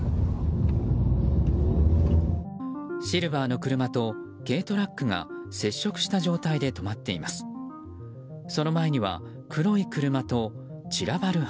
シルバーの車と軽トラックが接触した状態で止まっています。